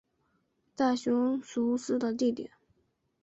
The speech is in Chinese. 大熊裕司的弟弟。